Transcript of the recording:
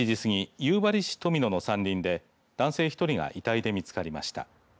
夕張市富野の山林で男性１人が遺体で見つかりました。